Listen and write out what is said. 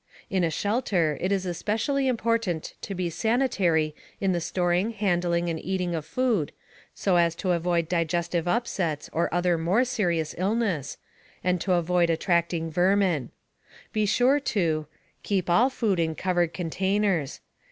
In a shelter, it is especially important to be sanitary in the storing, handling and eating of food, so as to avoid digestive upsets or other more serious illness, and to avoid attracting vermin. Be sure to: Keep all food in covered containers.